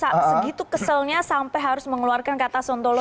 tapi segitu keselnya sampai harus mengunggah